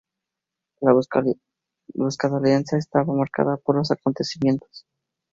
La buscada alianza, estaba marcada por los acontecimientos.